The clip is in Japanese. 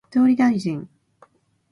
総理大臣